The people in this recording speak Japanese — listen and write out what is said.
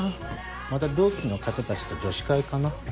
また同期の方たちと女子会かな？